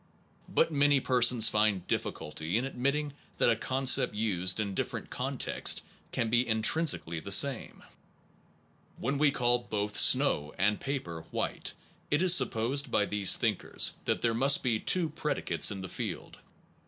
But many persons find difficulty in admitting that a concept used in different contexts can be intrinsically the same. When we call both snow and paper white it is supposed by these thinkers that there must be two predicates in the field.